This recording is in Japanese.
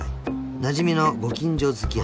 ［なじみのご近所付き合い］